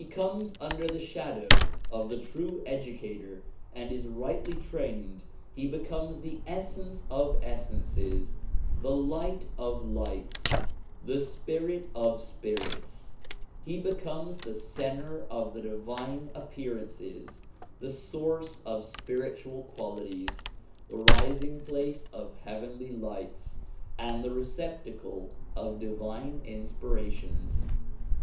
274 SOME ANSWERED QUESTIONS under the shadow of the True Educator and is rightly trained, he becomes the essence of essences, the light of lights, the spirit of spirits; he becomes the centre of the divine appearances, the source of spiritual qualities, the rising place of heavenly lights, and the receptacle of divine inspirations.